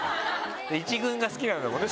１軍が好きなんだもんね